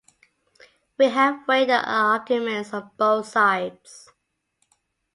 We have weighed the arguments on both sides.